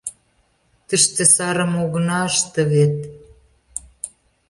— Тыште сарым огына ыште вет.